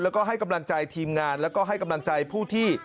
แล้วก็ให้กำลังใจทีมงานแล้วก็ให้กำลังใจผู้ที่